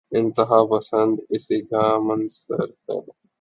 انتہاپسندی اسی کا مظہر ہے۔